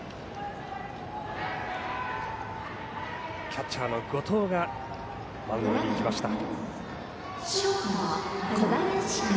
キャッチャーの後藤がマウンドに行きました。